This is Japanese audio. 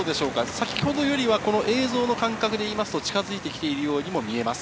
先ほどよりは映像の感覚でいうと近づいてきているように見えます。